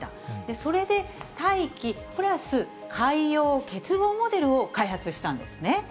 それで大気プラス海洋結合モデルを開発したんですね。